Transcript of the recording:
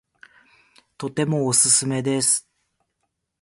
とてもおすすめです